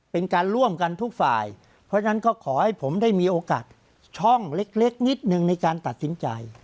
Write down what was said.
เป็นการร่วมกันทุกฝ่ายเพราะฉะนั้นก็ขอให้ผมได้มีโอกาสช่องเล็กนิดหนึ่งในการตัดสินใจ